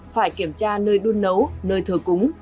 phải kiểm tra nơi đun nấu nơi thờ cúng